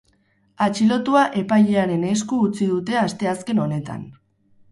Atxilotua epailearen esku utzi dute asteazken honetan.